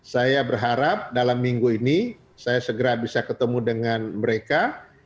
saya berharap dalam minggu ini saya segera bisa ketemu dengan mereka